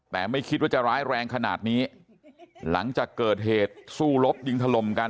แต่ไม่คิดว่าจะร้ายแรงขนาดนี้หลังจากเกิดเหตุสู้รบยิงถล่มกัน